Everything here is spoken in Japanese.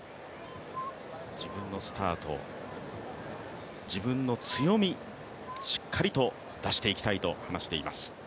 自分のスタート、自分の強み、しっかりと出していきたいと話しています。